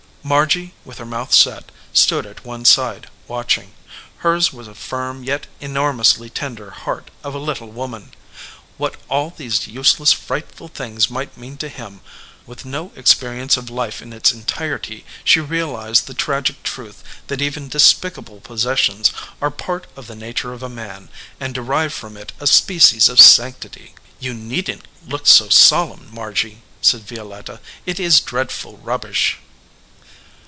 Margy, with her mouth set, stood at one side, watching. Hers was a firm, yet enormously tender heart of a little woman. What all these useless, frightful things might mean to him ! With no ex perience of life in its entirety, she realized the tragic truth that even despicable possessions are part of the nature of a man, and derive from it a species of sanctity. "You needn t look so solemn, Margy," said Violetta. "It is dreadful rubbish."